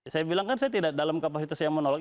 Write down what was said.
saya bilang kan saya tidak dalam kapasitas yang menolak